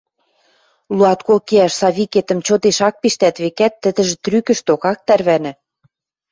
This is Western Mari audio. Луаткок иӓш Савикетӹм чотеш ак пиштӓт, векӓт, тӹдӹжӹ трӱкӹшток ак тӓрвӓнӹ